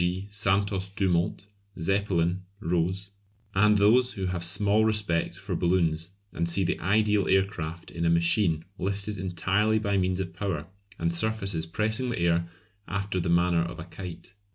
g._ Santos Dumont, Zeppelin, Roze; and those who have small respect for balloons, and see the ideal air craft in a machine lifted entirely by means of power and surfaces pressing the air after the manner of a kite.